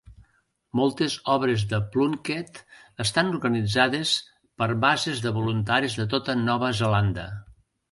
Moltes obres de Plunket estan organitzades per bases de voluntaris per tota Nova Zelanda.